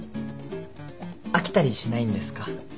飽きたりしないんですか？